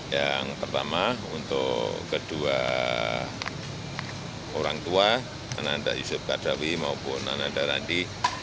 yang pertama untuk kedua orang tua ananda yusuf kadawi maupun ananda randi